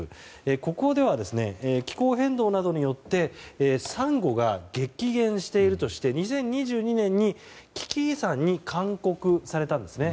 ここでは気候変動などによってサンゴが激減しているとして２０２２年に危機遺産に勧告されたんですね。